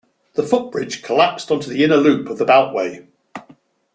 The footbridge collapsed onto the inner loop of the Beltway.